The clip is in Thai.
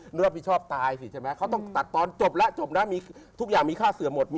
รับผิดชอบตายสิใช่ไหมเขาต้องตัดตอนจบแล้วจบนะมีทุกอย่างมีค่าเสือหมด